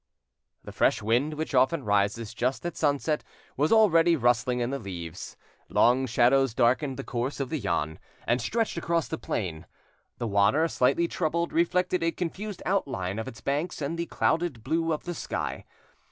The fresh wind which often rises just at sunset was already rustling in the leaves; long shadows darkened the course of the Yonne and stretched across the plain; the water, slightly troubled, reflected a confused outline of its banks and the clouded blue of the sky.